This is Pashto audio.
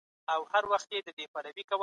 د علم هدف د حقیقت موندل دي.